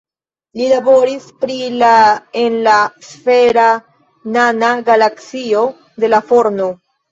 Li laboris pri la en la sfera nana galaksio de la Forno.